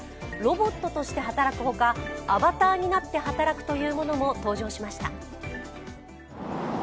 ロボットとして働くほか、アバターになって働くというものも登場しました。